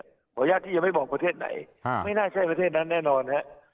ขออนุญาตที่ยังไม่บอกประเทศไหนไม่น่าใช่ประเทศนั้นแน่นอนฮะ